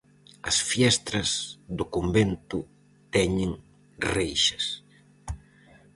As fiestras do convento teñen reixas.